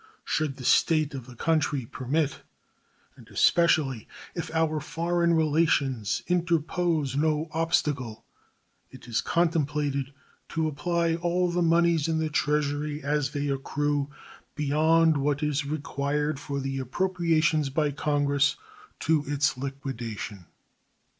Should the state of the country permit, and especially if our foreign relations interpose no obstacle, it is contemplated to apply all the moneys in the Treasury as they accrue, beyond what is required for the appropriations by Congress, to its liquidation.